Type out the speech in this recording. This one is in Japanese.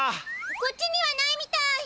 こっちにはないみたい！